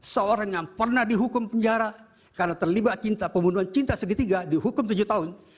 seorang yang pernah dihukum penjara karena terlibat cinta pembunuhan cinta segitiga dihukum tujuh tahun